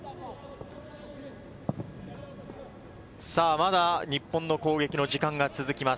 まだ日本の攻撃の時間が続きます。